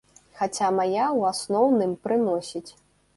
Хаця мая ў асноўным прыносіць.